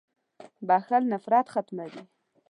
• بخښل نفرت ختموي.